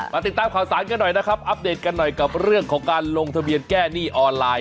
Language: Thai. ติดตามข่าวสารกันหน่อยนะครับอัปเดตกันหน่อยกับเรื่องของการลงทะเบียนแก้หนี้ออนไลน์